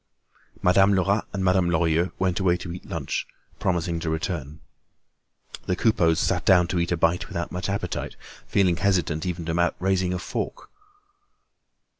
Madame Lerat and Madame Lorilleux went away to eat lunch, promising to return. The Coupeaus sat down to eat a bite without much appetite, feeling hesitant about even raising a fork.